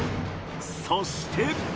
そして。